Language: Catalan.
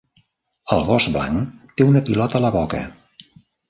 El gos blanc té una pilota a la boca.